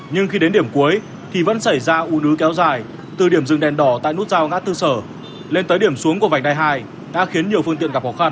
nhưng khi đến điểm cuối thì vẫn xảy ra ủ nứ kéo dài từ điểm rừng đèn đỏ tại nút giao ngã tư sở lên tới điểm xuống của vành đai hai đã khiến nhiều phương tiện gặp khó khăn